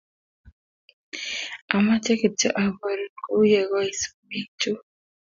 Amoche kityo aborun kuyekoi sumek chuk